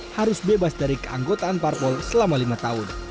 harus bebas dari keanggotaan parpol selama lima tahun